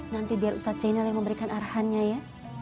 nanti biar ustadz jainal yang memberikan arahannya ya